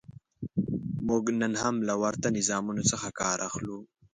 موږ نن هم له ورته نظامونو څخه کار اخلو.